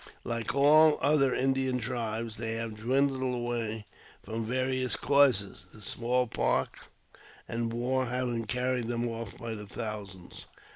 Like all other Indian tribes, they have dwindled away from various causes, the small pox and war having carried them off by thousands.